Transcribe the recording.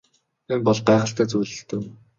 Энэ бол гайхалтай зүйл л дээ.